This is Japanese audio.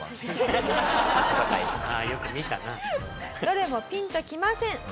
どれもピンときません。